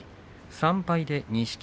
３敗で錦木。